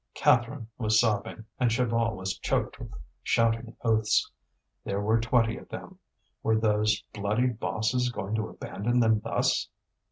Catherine was sobbing, and Chaval was choked with shouting oaths. There were twenty of them; were those bloody bosses going to abandon them thus?